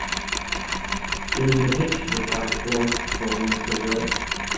There's the hitch, replied Thorpe, rolling a cigarette.